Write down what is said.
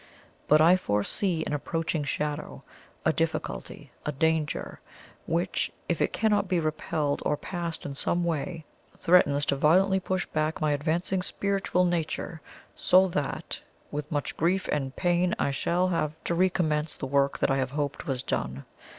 But I foresee an approaching shadow a difficulty a danger which, if it cannot be repelled or passed in some way, threatens to violently push back my advancing spiritual nature, so that, with much grief and pain, I shall have to re commence the work that I had hoped was done.